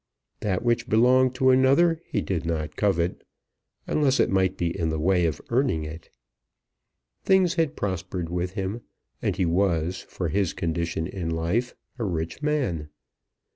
That which belonged to another he did not covet, unless it might be in the way of earning it. Things had prospered with him, and he was for his condition in life a rich man.